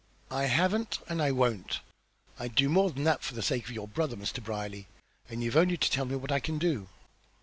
"I haven't, and I won't. I'd do more than that for the sake of your brother, Mr. Brierly, and you've only to tell me what I can do."